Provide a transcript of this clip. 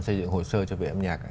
xây dựng hồ sơ cho vệ âm nhạc